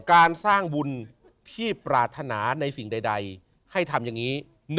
การสร้างบุญที่ปรารถนาในสิ่งใดให้ทำอย่างนี้